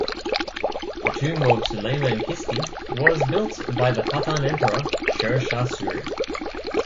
The tomb of Suleiman Chisti was built by the Pathan emperor Sher Shah Suri.